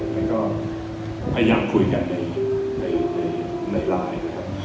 แล้วก็พยายามคุยกันในไลน์นะครับ